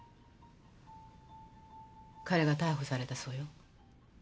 彼が逮捕されたそうよ。